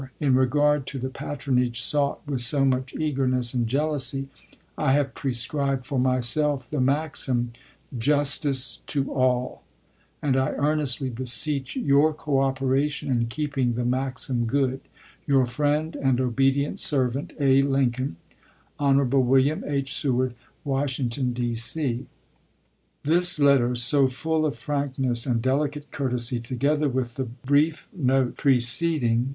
In regard to the patronage sought with so much eagerness and jealousy, I have prescribed for myself the maxim, "Justice to all"; and I earnestly beseech your cooperation in keeping the maxim good. Your friend and obedient servant, Hon. William H. Seward, A Lincoln. ms Washington, D. C. This letter, so full of frankness and delicate courtesy, together with the brief note preceding 350 ABKAHAM LINCOLN ch. xxn.